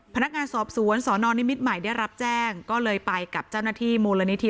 พนักงานสอบสวนสนนิมิตรใหม่ได้รับแจ้งก็เลยไปกับเจ้าหน้าที่มูลนิธิ